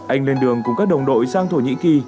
anh lên đường cùng các đồng đội sang thổ nhĩ kỳ